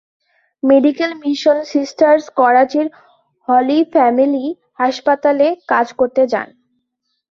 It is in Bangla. মেডিকেল মিশন সিস্টার্স করাচির হলি ফ্যামিলি হাসপাতালে কাজ করতে যান।